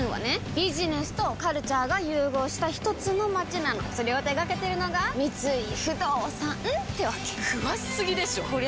ビジネスとカルチャーが融合したひとつの街なのそれを手掛けてるのが三井不動産ってわけ詳しすぎでしょこりゃ